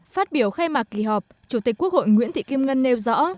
phát biểu khai mạc kỳ họp chủ tịch quốc hội nguyễn thị kim ngân nêu rõ